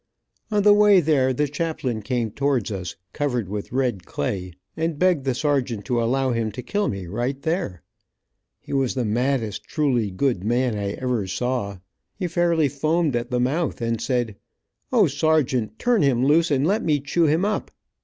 On the way there, the chaplain came towards us, covered with red clay, and begged the sergeant to allow him to kill me right there. He was the maddest truly good man I ever saw. He fairly foamed at the mouth, and said, "O, sergeant, turn him loose, and let me chew him up."